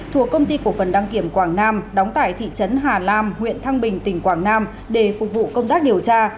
thuộc công ty của phần đăng kiểm quảng nam đóng tại thị trấn hà lam huyện thăng bình tỉnh quảng nam để phục vụ công tác điều tra